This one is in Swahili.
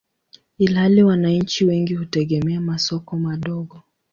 ilhali wananchi wengi hutegemea masoko madogo.